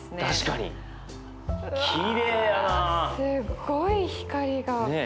すっごい光が。